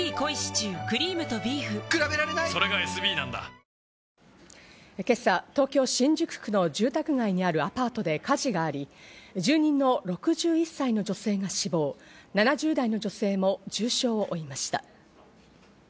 製鉄所では、今朝、東京・新宿区の住宅街にあるアパートで火事があり、住人の６１歳の女性が死亡、７０代の女性も重傷を負いました。